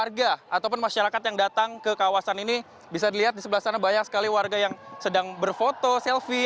warga ataupun masyarakat yang datang ke kawasan ini bisa dilihat di sebelah sana banyak sekali warga yang sedang berfoto selfie